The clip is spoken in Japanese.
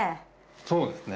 そうですね